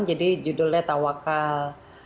jadi judulnya tawakal